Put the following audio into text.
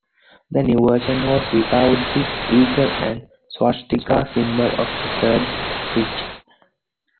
The new version was without the eagle and swastika symbol of the Third Reich.